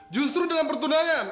justru dengan pertunangan